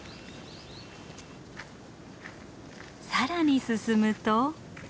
更に進むと。